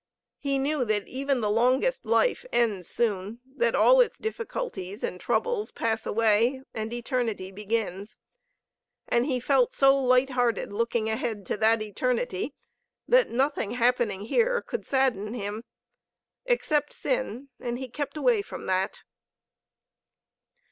He knew that even the longest life. ends soon, that all its difficulties and troubles pass away and eternity begins; and he felt so light hearted looking ahead to that eternity that nothing happening here could sadden him except sin, and he kept away from that.